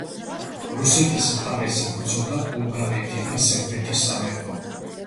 რუსეთის მხარეს იბრძოდა ბულგარეთი და სერბეთის სამეფო.